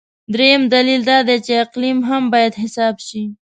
درېیم دلیل دا دی چې اقلیم هم باید حساب شي.